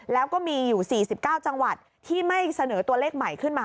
แล้วก็มีอยู่๔๙จังหวัดที่ไม่เสนอตัวเลขใหม่ขึ้นมา